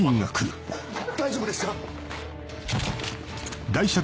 大丈夫ですか？